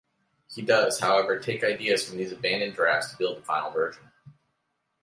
He does, however take ideas from these abandoned drafts to build the final version.